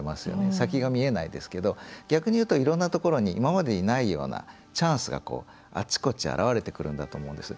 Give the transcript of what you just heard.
先が見えないですけど逆にいうと、いろいろなところに今までにないようなチャンスがあっちこち表れてくるんだ思うんです。